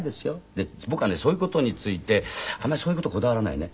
で僕はねそういう事についてあんまりそういう事こだわらないね。